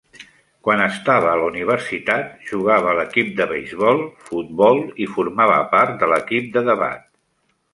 Quan estava a la universitat, jugava a l'equip de beisbol, futbol i formava part de l'equip de debat.